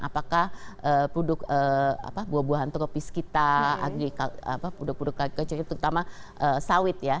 apakah buduk buah buahan tropis kita agrikultur terutama sawit ya